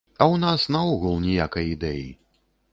А ў нас наогул ніякай ідэі.